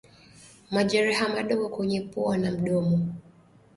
Majeraha madogo kwenye mdomo na pua